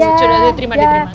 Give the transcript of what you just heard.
aduh cuy terima terima